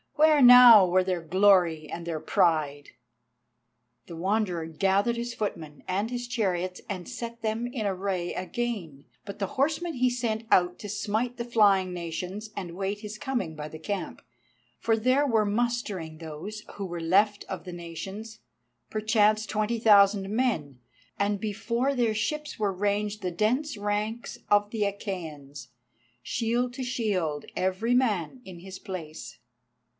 Where now were their glory and their pride? The Wanderer gathered his footmen and his chariots and set them in array again but the horsemen he sent out to smite the flying nations and wait his coming by the camp; for there were mustering those who were left of the nations, perchance twenty thousand men, and before their ships were ranged the dense ranks of the Achæans, shield to shield, every man in his place.